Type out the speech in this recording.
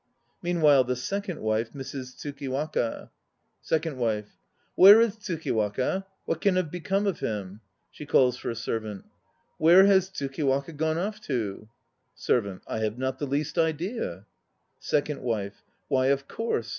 Meanwhile the SECOND WIFE misses TSUKIWAKA. SECOND WIFE. Where is Tsukiwaka? What can have become of him? (She calls for a servant.) Where has Tsukiwaka gone off to? SERVANT. I have not the least idea. SECOND WIFE. Why, of course!